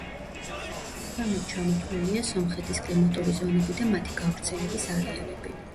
ქვემოთ ჩამოთვლილია სომხეთის კლიმატური ზონები და მათი გავრცელების არეალები.